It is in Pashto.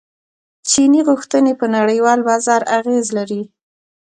چیني غوښتنې په نړیوال بازار اغیز لري.